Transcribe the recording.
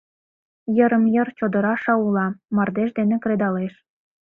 Йырым-йыр чодыра шаула, мардеж дене кредалеш.